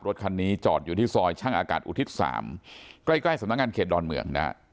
รถคันนี้จอดอยู่ที่ซอยช่างอากาศอุทิศ๓ใกล้สำนักงานเขตดอนเมืองนะฮะ